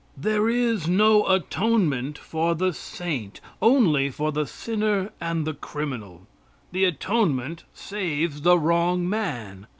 There is no atonement for the saint only for the sinner and the criminal. The atonement saves the wrong man.